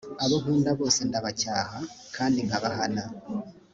abo nkunda bose ndabacyaha kandi nkabahana